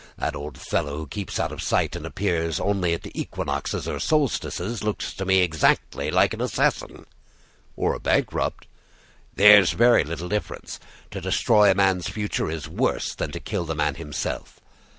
That old fellow who keeps out of sight and appears only at the equinoxes or solstices, looks to me exactly like an assassin." "Or a bankrupt." "There's very little difference. To destroy a man's fortune is worse than to kill the man himself."